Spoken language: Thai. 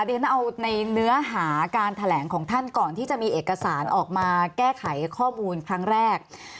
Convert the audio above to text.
เดี๋ยวฉันเอาในเนื้อหาการแถลงของท่านก่อนที่จะมีเอกสารออกมาแก้ไขข้อมูลครั้งแรก